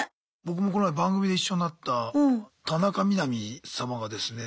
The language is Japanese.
僕もこの前番組で一緒になった田中みな実様がですね。